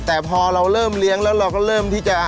แต่พอเราเริ่มเลี้ยงแล้วเราก็เริ่มที่จะ